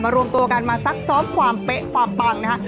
รวมตัวกันมาซักซ้อมความเป๊ะความปังนะคะ